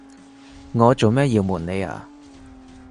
我做咩要暪你呀？